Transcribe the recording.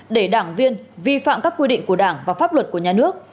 để đảng viên vi phạm các quy định của đảng và pháp luật của nhà nước